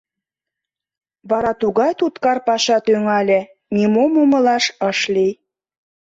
Вара тугай туткар паша тӱҥале — нимом умылаш ыш лий.